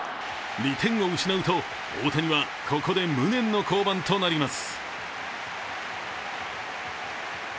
２点を失うと大谷はここで無念の降板となります。